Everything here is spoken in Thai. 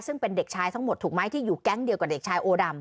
ซึ่งเป็นเด็กชายทั้งหมดถูกไหมที่อยู่แก๊งเดียวกับเด็กชายโอดำ